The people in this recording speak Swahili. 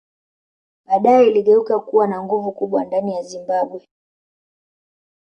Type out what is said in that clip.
Badae iligeuka kuwa na nguvu kubwa ndani ya Zimbabwe